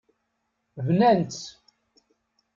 Bnant-t.